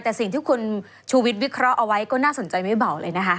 แต่สิ่งที่คุณชูวิทย์วิเคราะห์เอาไว้ก็น่าสนใจไม่เบาเลยนะคะ